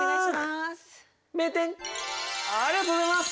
ありがとうございます。